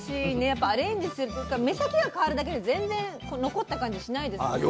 やっぱりアレンジするというか目先が変わるだけで全然残った感じしないですよね。